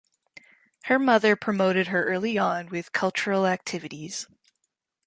Her mother promoted her early on with cultural activities.